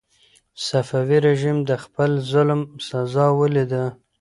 صفوي رژیم د خپل ظلم سزا ولیده.